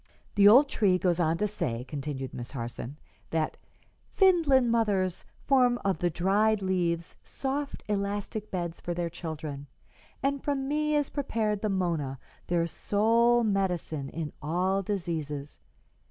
"The old tree goes on to say," continued Miss Harson, "that 'Finland mothers form of the dried leaves soft, elastic beds for their children, and from me is prepared the mona, their sole medicine in all diseases.